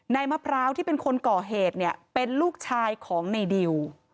มะพร้าวที่เป็นคนก่อเหตุเนี่ยเป็นลูกชายของในดิว